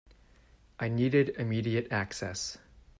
I needed immediate access.